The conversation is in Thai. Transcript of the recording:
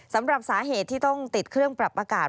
สำหรับสาเหตุที่ต้องติดเครื่องปรับอากาศ